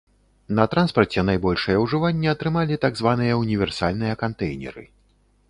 На транспарце найбольшае ўжыванне атрымалі так званыя універсальныя кантэйнеры.